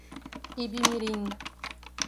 Ibimirim